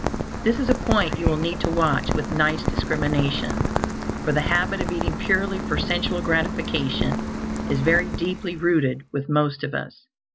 This is a point you will need to watch with nice discrimination, for the habit of eating purely for sensual gratification is very deeply rooted with most of us.